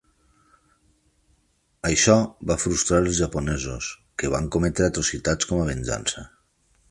Això va frustrar els japonesos, que van cometre atrocitats com a venjança.